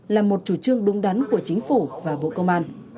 là một chủ trương đúng đắn của chính phủ và bộ công an